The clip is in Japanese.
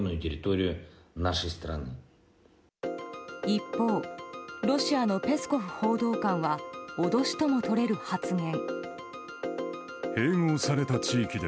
一方、ロシアのペスコフ報道官は脅しともとれる発言。